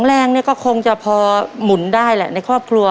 แรงเนี่ยก็คงจะพอหมุนได้แหละในครอบครัว